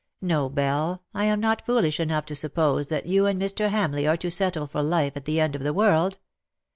No, Belle, I am not foolish enough to suppose that you and Mr. Hamleigh are to settle for life at the end of the world.